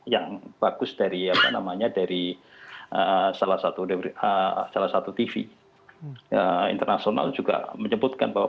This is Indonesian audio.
yang bagus dari apa namanya dari salah satu tv internasional juga menyebutkan bahwa